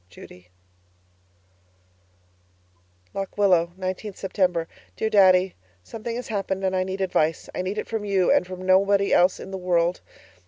Judy LOCK WILLOW, 19th September Dear Daddy, Something has happened and I need advice. I need it from you, and from nobody else in the world.